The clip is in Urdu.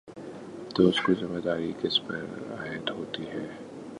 تو اس کی ذمہ داری کس پر عائد ہوتی ہے؟